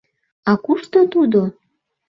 — А кушто тудо?